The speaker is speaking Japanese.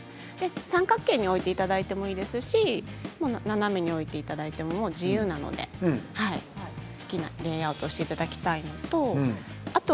三角形に置いていただいてもいいですし斜めに置いていただいても自由なので好きなレイアウトをしていただきたいと思います。